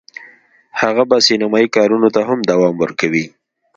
هغه به سینمایي کارونو ته هم دوام ورکوي